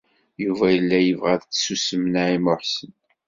Yuba yella yebɣa ad tsusem Naɛima u Ḥsen.